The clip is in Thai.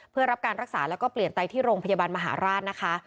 เพื่อรับการรักษาแล้วก็เปลี่ยนไตที่โรงพยาบาลมหาราชนะคะ